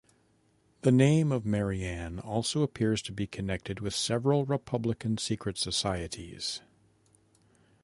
The name of Marianne also appears to be connected with several republican secret societies.